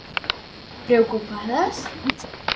Preocupadas?